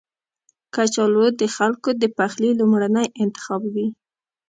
کچالو د خلکو د پخلي لومړنی انتخاب وي